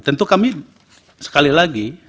tentu kami sekali lagi